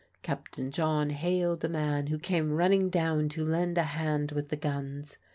Captain John hailed a man who came running down to lend a hand with the guns.